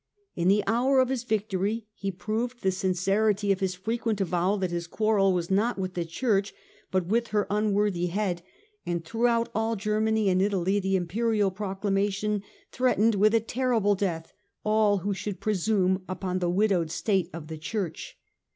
In the hour of his victory he proved the sin cerity of his frequent avowal that his quarrel was not with the Church but with her unworthy head, and throughout all Germany and Italy the Imperial pro clamation threatened with a terrible death all who should presume upon the widowed state of the Church.